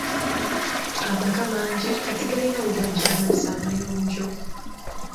Amaka mangi kati galina we gaggya amazzi amayonjo.